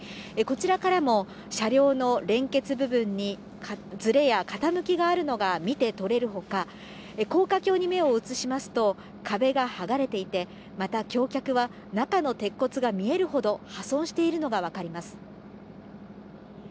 こちらからも、車両の連結部分にずれや傾きがあるのが見て取れるほか、高架橋に目を移しますと、壁が剥がれていて、また橋脚は中の鉄骨が見えるほど破損しているのが分かります。